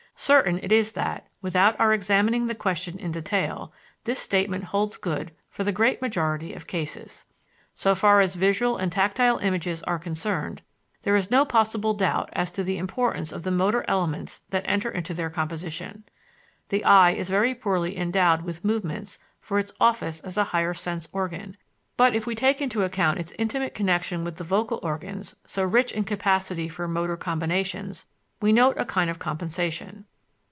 Certain it is that, without our examining the question in detail, this statement holds good for the great majority of cases. So far as visual and tactile images are concerned there is no possible doubt as to the importance of the motor elements that enter into their composition. The eye is very poorly endowed with movements for its office as a higher sense organ; but if we take into account its intimate connection with the vocal organs, so rich in capacity for motor combinations, we note a kind of compensation.